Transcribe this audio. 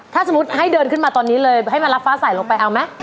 ถ้าสมมุติให้เดินขึ้นมาตอนนี้เลยให้มารับฟ้าใส่ลงไปเอาไหม